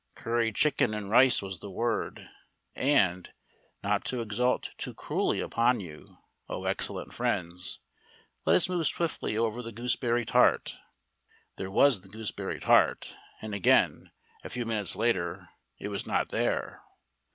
Curried chicken and rice was the word: and, not to exult too cruelly upon you (O excellent friends!), let us move swiftly over the gooseberry tart. There was the gooseberry tart, and again, a few minutes later, it was not there.